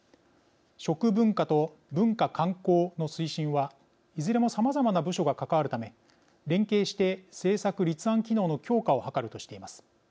食文化と文化観光の推進はいずれもさまざまな部署が関わるため、連携して政策立案機能の強化を図るとしています。